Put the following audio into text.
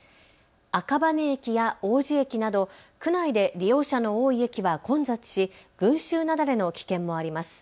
赤羽駅や王子駅など区内で利用者の多い駅は混雑し群集雪崩の危険もあります。